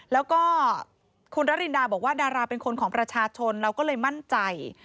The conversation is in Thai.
แล้วก็คุณระรินดาบอกว่าดาราเป็นคนของประชาชนเราก็เลยมั่นใจ